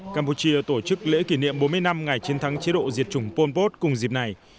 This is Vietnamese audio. campuchia tổ chức lễ kỷ niệm bốn mươi năm ngày chiến thắng chế độ diệt chủng pol pot cùng dịp này